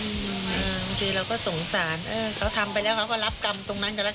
บางทีเราก็สงสารเออเขาทำไปแล้วเขาก็รับกรรมตรงนั้นกันแล้ว